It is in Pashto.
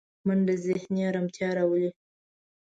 منډه ذهني ارامتیا راولي